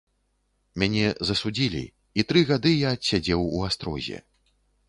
Мяне засудзілі, і тры гады я адсядзеў у астрозе.